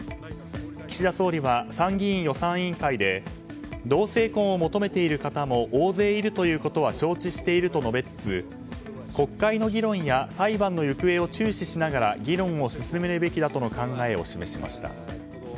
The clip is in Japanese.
岸田総理は、参議院予算委員会で同性婚を求めている方も大勢いるということは承知していると述べつつ国会の議論や裁判の行方を注視しながら議論を進めるべきだとの考えを示しました。